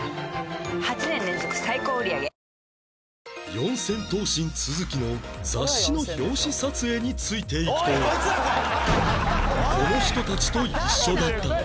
四千頭身都築の雑誌の表紙撮影について行くとこの人たちと一緒だった